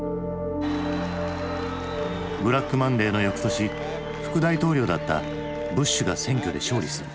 ブラックマンデーのよくとし副大統領だったブッシュが選挙で勝利する。